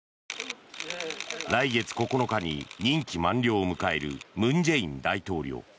来月９日に任期満了を迎える文在寅大統領。